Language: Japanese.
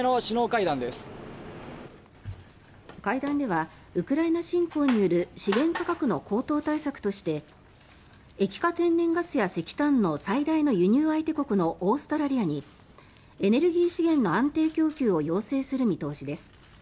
会談ではウクライナ侵攻による資源価格の高騰対策として液化天然ガスや石炭の最大の輸入相手国のオーストラリアにエネルギー資源の安定供給を要請する見通しです。